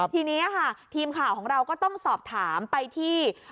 ทีนี้ค่ะทีมข่าวของเราก็ต้องสอบถามไปที่